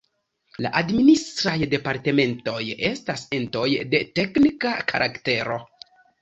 La Administraj Departementoj estas entoj de teknika karaktero.